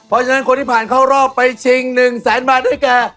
เพราะฉะนั้นคนที่ผ่านเข้ารอบไปชิง๑แสนบาทด้วยแก